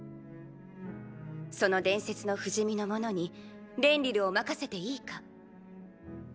その伝説の不死身の者にレンリルを任せていいか。